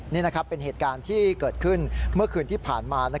นี่นะครับเป็นเหตุการณ์ที่เกิดขึ้นเมื่อคืนที่ผ่านมา